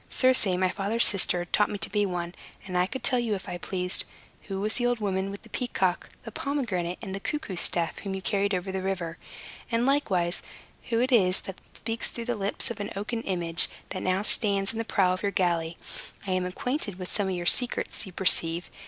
Circe, my father's sister, taught me to be one, and I could tell you, if I pleased, who was the old woman with the peacock, the pomegranate, and the cuckoo staff, whom you carried over the river; and, likewise, who it is that speaks through the lips of the oaken image, that stands in the prow of your galley. I am acquainted with some of your secrets, you perceive.